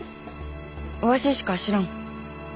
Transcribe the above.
わししか知らん。